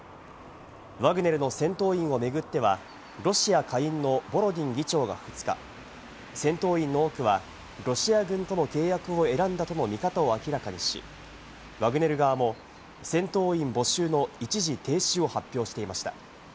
ワグネルの戦闘員を巡ってはロシア下院のボロディン議長が２日、戦闘員の多くはロシア軍との契約を選んだとの見方を明らかにし、ワグネル側も戦闘員募集の一時停止を発表していました。